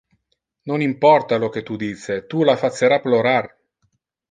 Non importa lo que tu dice, tu la facera plorar.